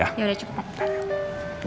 ya udah cepet